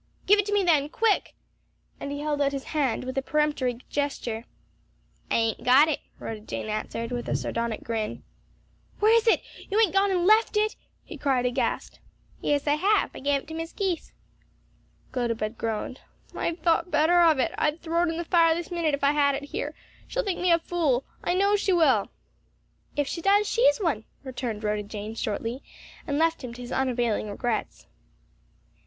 "Give it to me then; quick!" and he held out his hand with a peremptory gesture. "I ain't got it," Rhoda Jane answered with a sardonic grin. "Where is it? you ain't gone and left it," he cried aghast. "Yes, I have; I give it to Mis' Keith." Gotobed groaned. "I'd thought better of it; I'd throw it in the fire this minute if I had it here. She'll think me a fool. I know she will!" "If she does she's one," returned Rhoda Jane shortly, and left him to his unavailing regrets.